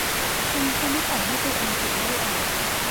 ฉันจะไม่ปล่อยให้ตัวเองถูกไล่ออก